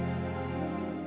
aku akan mencari tuhan